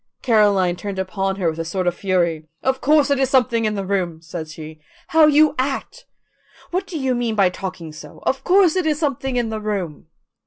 Caroline turned upon her with a sort of fury. "Of course it is something in the room," said she. "How you act! What do you mean by talking so? Of course it is something in the room."